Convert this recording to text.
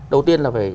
đầu tiên là phải